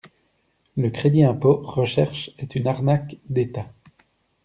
Le crédit impôt recherche est une arnaque d'Etat.